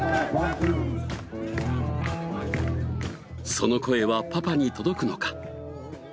その声はパパに届くのか？